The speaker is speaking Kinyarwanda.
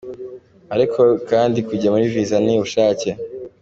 Ariko kandi kujya muri mVisa ni ubushake.